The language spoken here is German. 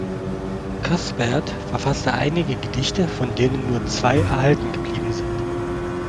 Cuthbert verfasste einige Gedichte, von denen nur zwei erhalten geblieben sind.